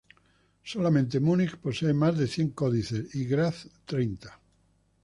Solamente Munich posee más de cien códices y Graz treinta.